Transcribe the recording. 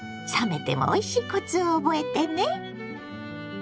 冷めてもおいしいコツを覚えてね。